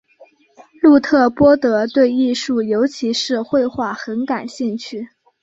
路特波德对艺术尤其是绘画很感兴趣。